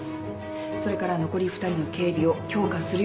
それから残り２人の警備を強化するように連絡して。